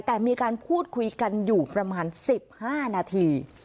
แต่มีการพูดคุยกันอยู่ประมาณ๑๕นาที